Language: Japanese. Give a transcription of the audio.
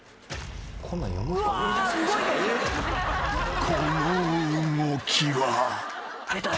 ［この動きは］出た。